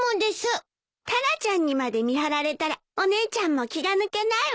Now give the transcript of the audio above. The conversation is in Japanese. タラちゃんにまで見張られたらお姉ちゃんも気が抜けないわね。